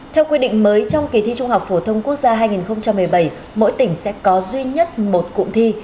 theo quy định mới trong kỳ thi trung học phổ thông quốc gia hai nghìn một mươi bảy mỗi tỉnh sẽ có duy nhất một cụm thi